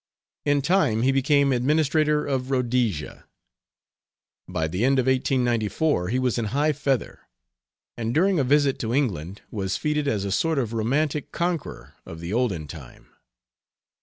In time he became administrator of Rhodesia. By the end of 1894. he was in high feather, and during a visit to England was feted as a sort of romantic conqueror of the olden time.